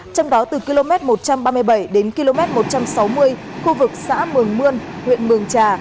trong đó từ km một trăm ba mươi bảy đến km một trăm sáu mươi khu vực xã mường mươn huyện mường trà